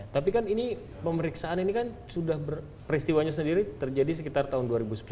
tapi kan ini pemeriksaan ini kan sudah peristiwanya sendiri terjadi sekitar tahun dua ribu sepuluh